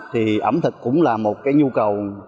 thì ẩm thực cũng là một nhu cầu